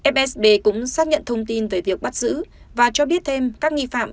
fsb cũng xác nhận thông tin về việc bắt giữ và cho biết thêm các nghi phạm